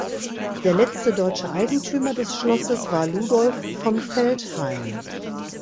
Der letzte deutsche Eigentümer des Schlosses war Ludolf von Veltheim.